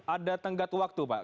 ada tenggat waktu pak